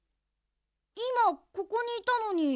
いまここにいたのに。